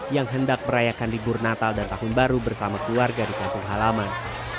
yang hendak merayakan libur natal dan tahun baru bersama keluarga di kampung halaman